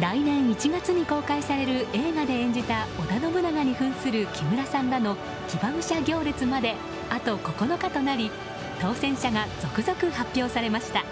来年１月に公開される映画で演じた織田信長に扮する木村さんらの騎馬武者行列まであと９日となり当選者が続々、発表されました。